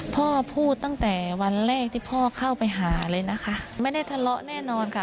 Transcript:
พ่อพูดตั้งแต่วันแรกที่พ่อเข้าไปหาเลยนะคะไม่ได้ทะเลาะแน่นอนค่ะ